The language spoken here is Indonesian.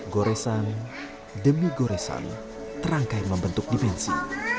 goresan demi goresan terangkai membentuk dimensi